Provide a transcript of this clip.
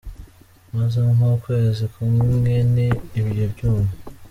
Maze nk’ukwezi kumwe niba ibyo byuma.